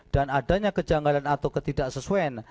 dan adanya kejanggalan atau ketidaksesuen